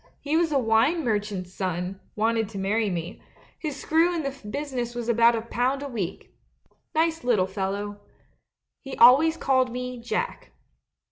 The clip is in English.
He was a wine mer chant's son — wanted to marry me; his screw in the business was about a pound a week. Nice lit tle fellow. He always called me "Jack."